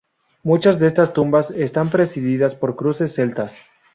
Muchas de estas tumbas están presididas por cruces celtas.